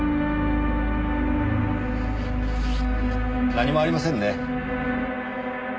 何もありませんね。